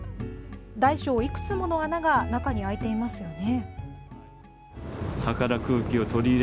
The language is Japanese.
大小いくつもの穴が中に開いていますよね。